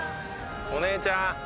お姉ちゃん。